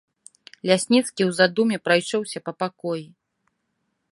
Лясніцкі ў задуме прайшоўся па пакоі.